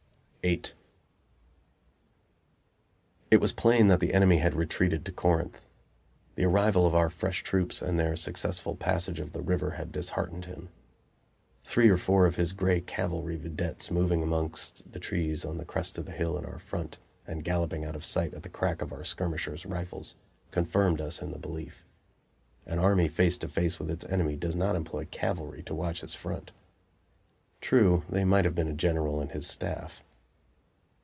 VIII It was plain that the enemy had retreated to Corinth. The arrival of our fresh troops and their successful passage of the river had disheartened him. Three or four of his gray cavalry videttes moving amongst the trees on the crest of a hill in our front, and galloping out of sight at the crack of our skirmishers' rifles, confirmed us in the belief; an army face to face with its enemy does not employ cavalry to watch its front. True, they might be a general and his staff.